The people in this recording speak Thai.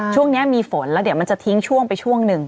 ช่วงนี้มีฝนแล้วเดี๋ยวมันจะทิ้งช่วงไปช่วงหนึ่ง